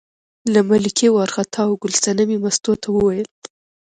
له ملکه وار خطا و، ګل صنمې مستو ته وویل.